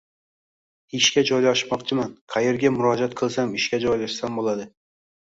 Ishga joylashmoqchiman qayerga murojaat qilsam ishga joylashsam bo‘ladi.